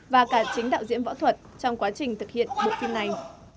và cả chính đạo diễn võ thuật trong quá trình thực hiện bộ phim này